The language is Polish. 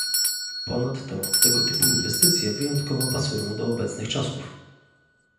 Ponadto tego typu inwestycje wyjątkowo pasują do obecnych czasów